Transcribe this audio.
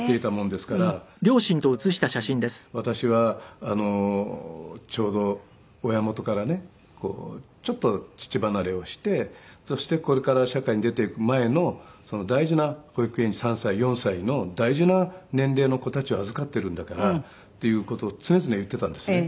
日頃から僕に「私はちょうど親元からねちょっと乳離れをしてそしてこれから社会に出て行く前の大事な保育園児３歳４歳の大事な年齢の子たちを預かっているんだから」っていう事を常々言っていたんですね。